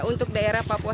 untuk daerah papua